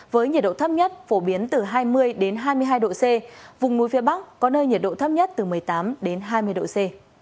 với nhiệt độ thấp nhất phổ biến từ hai mươi hai mươi hai độ c vùng núi phía bắc có nơi nhiệt độ thấp nhất từ một mươi tám hai mươi độ c